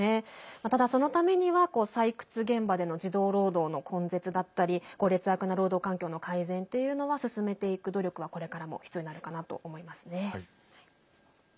ただ、そのためには採掘現場での児童労働の根絶だったり劣悪な労働環境の改善っていうのは進めていく努力は、これからも必要になるかなと思いますね。